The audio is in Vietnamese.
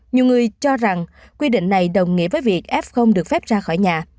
nhiều người cho rằng quy định này đồng nghĩa với việc f được phép ra khỏi nhà